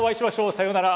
さようなら。